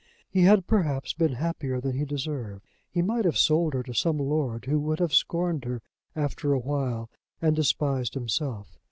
He had, perhaps, been happier than he deserved. He might have sold her to some lord who would have scorned her after a while and despised himself.